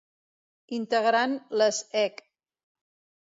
Integrant les ec.